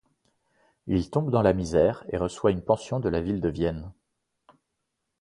Il tombe dans la misère et reçoit une pension de la ville de Vienne.